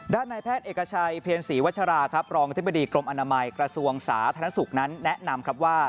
นายแพทย์เอกชัยเพียรศรีวัชราครับรองอธิบดีกรมอนามัยกระทรวงสาธารณสุขนั้นแนะนำครับว่า